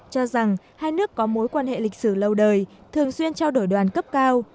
cho rằng hai nước có mối quan hệ lịch sử lâu đời thường xuyên trao đổi đoàn cấp cao